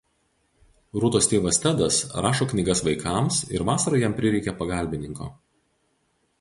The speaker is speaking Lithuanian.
Rūtos tėvas Tedas rašo knygas vaikams ir vasarai jam prireikia pagalbininko.